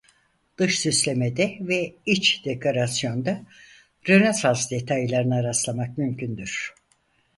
Dış süslemede ve iç dekorasyonda Rönesans detaylarına rastlamak mümkündür.